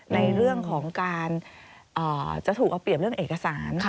ในเรื่องของการจะถูกเอาเปรียบเรื่องเอกสาร